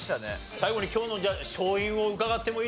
最後に今日の勝因を伺ってもいいですか？